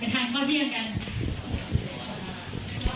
มาถัดไปทางข้อเที่ยงกัน